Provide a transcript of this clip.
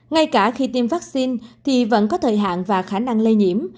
ngay cả khi tiêm vaccine thì vẫn có thời hạn và khả năng lây nhiễm